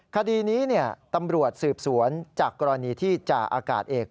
คดีนี้ตำรวจสืบสวนจากกรณีที่จ่าอากาศเอก